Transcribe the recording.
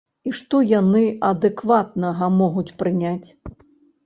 І што яны адэкватнага могуць прыняць?